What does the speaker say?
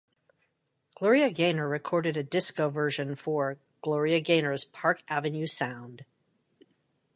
Gloria Gaynor recorded a disco version for "Gloria Gaynor's Park Avenue Sound".